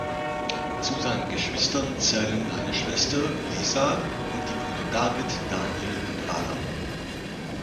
Zu seinen Geschwistern zählen eine Schwester, Lisa, und die Brüder David, Daniel und Adam.